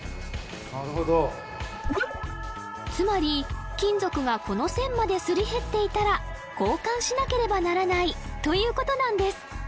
なるほどつまり金属がこの線まですり減っていたら交換しなければならないということなんです